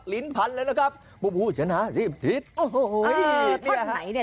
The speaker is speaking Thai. หลินพันธุ์แล้วนะครับพวกผู้ชนะสิบทฤทธิ์